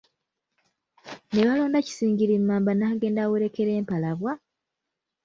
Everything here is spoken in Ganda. Ne balonda Kisingiri Mmamba N'agenda awerekera Empalabwa!